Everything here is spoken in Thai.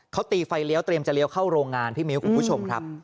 เขาตีไฟเลี้ยวเตรียมจะเลี้ยวเข้าโรงงานพี่มิ้วคุณผู้ชมครับ